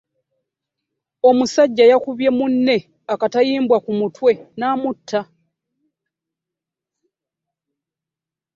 Omusajja yakubye munne akatayimbwa ku mutwe n'amutta.